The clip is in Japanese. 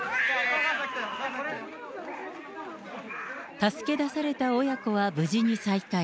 助け出された親子は無事に再開。